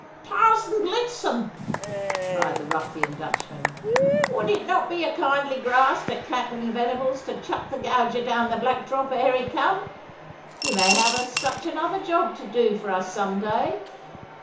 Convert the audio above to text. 'Tausend Blitzen!' cried the ruffian Dutchman, 'would it not be a kindly grass to Captain Venables to chuck the gauger down the Black Drop ere he come? He may have such another job to do for us some day.